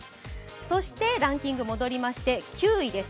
そしてランキングに戻りまして９位です。